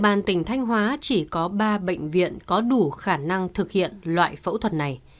bàn tỉnh thanh hóa chỉ có ba bệnh viện có đủ khả năng thực hiện loại phẫu thuật này